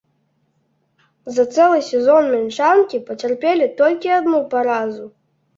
За цэлы сезон мінчанкі пацярпелі толькі адну паразу!